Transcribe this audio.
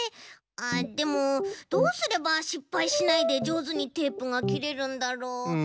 あでもどうすればしっぱいしないでじょうずにテープがきれるんだろう。